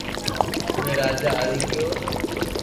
اووي راجا آوي گيو